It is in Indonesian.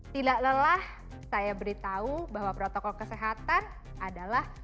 tidak lelah saya beritahu bahwa protokol kesehatan adalah